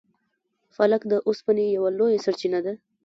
پالک د اوسپنې یوه لویه سرچینه ده.